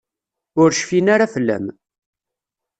Ur cfin ara fell-am.